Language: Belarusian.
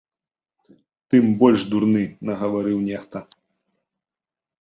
Тым больш дурны, нагаварыў нехта.